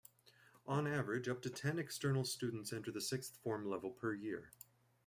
On average, up to ten external students enter the Sixth Form level per year.